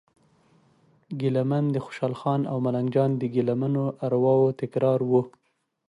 ګیله من د خوشال خان او ملنګ جان د ګیله منو ارواوو تکرار و.